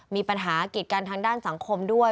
มีปัญหากิจกันทางด้านสังคมด้วย